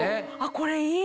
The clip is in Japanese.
これいい。